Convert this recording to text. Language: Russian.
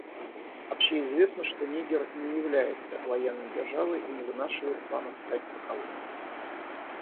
Общеизвестно, что Нигер не является военной державой и не вынашивает планов стать таковой.